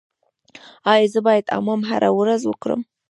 ایا زه باید حمام هره ورځ وکړم؟